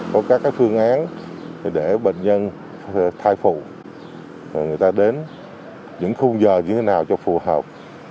có các phương án để bệnh nhân thai phụ người ta đến những khung giờ như thế nào cho phù hợp